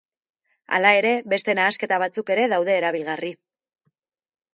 Hala ere, beste nahasketa batzuk ere daude erabilgarri.